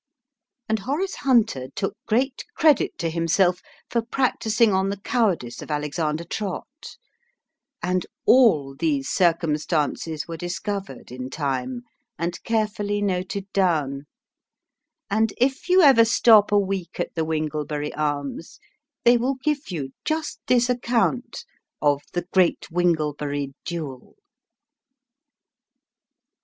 And Horace Hunter took great credit to himself for practising on the cowardice of Alexander Trott; and all these circumstances were discovered in time, and carefully noted down ; and if you ever stop a week at the Winglebury Arms, they will give you just this account of The Great Winglebury Duel.